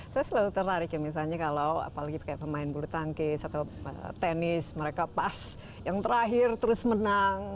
saya selalu tertarik ya misalnya kalau apalagi kayak pemain bulu tangkis atau tenis mereka pas yang terakhir terus menang